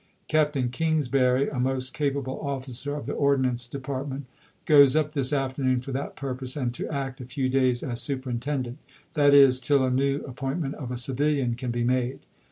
Captain Kingsbury, a most capable officer of the Ordnance De partment, goes up this afternoon for that purpose, and to act a few days as superintendent ; that is, till a new ap pointment (of a civilian) can be made.